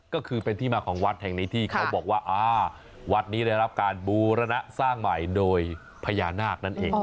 ก็คือเป็นที่มาของวัดแห่งนี้ที่เขาบอกว่าวัดนี้ได้รับการบูรณะสร้างใหม่โดยพญานาคนั่นเอง